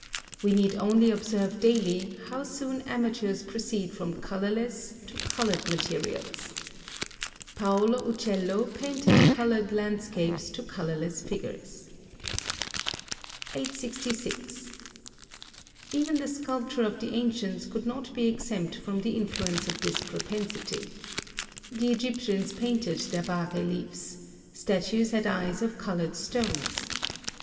We need only observe daily, how soon amateurs proceed from colourless to coloured materials. Paolo Uccello painted coloured landscapes to colourless figures. Note H H. 866. Even the sculpture of the ancients could not be exempt from the influence of this propensity. The Egyptians painted their bas reliefs; statues had eyes of coloured stones.